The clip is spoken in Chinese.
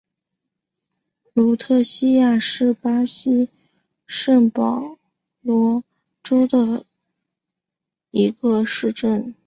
卢特西亚是巴西圣保罗州的一个市镇。